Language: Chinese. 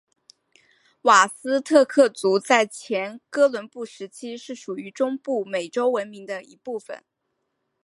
瓦斯特克族在前哥伦布时期是属于中部美洲文明的一部份。